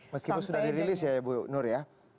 meskipun sudah dirilis ya ibu nur ya